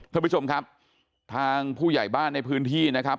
ท่านผู้ชมครับทางผู้ใหญ่บ้านในพื้นที่นะครับ